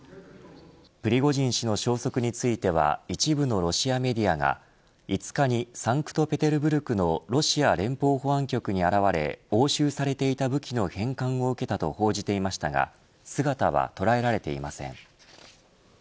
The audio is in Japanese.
プリゴジン氏の消息については一部のロシアメディアが５日にサンクトペテルブルクのロシア連邦保安局に現れ押収されていた武器の返還を受けたと報じていましたが姿は捉えられていません。